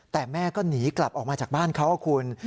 แต่แม่ก็หนีกลับออกมาจากบ้านเขาคุณ